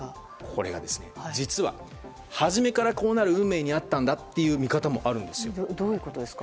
これが、実は初めからこうなる運命にあったんだというどういうことですか？